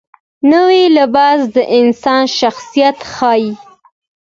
نوی لباس د انسان شخصیت ښیي